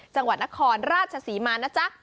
จังหวัดนครราชศรีมานะจ๊ะ